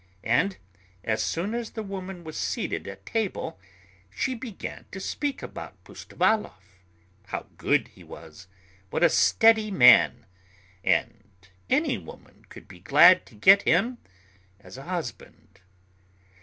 As soon as the woman was seated at table she began to speak about Pustovalov how good he was, what a steady man, and any woman could be glad to get him as a husband.